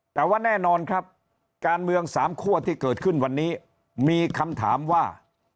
แต่ว่าแน่นอนครับการเมืองสามคั่วที่เกิดขึ้นวันนี้มีคำถามว่า